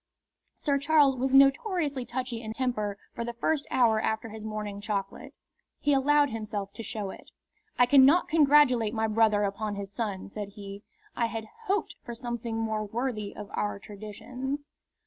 Sir Charles was notoriously touchy in temper for the first hour after his morning chocolate. He allowed himself to show it. "I cannot congratulate my brother upon his son," said he. "I had hoped for something more worthy of our traditions."